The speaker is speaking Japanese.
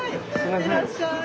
行ってらっしゃい。